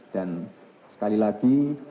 dan sekali lagi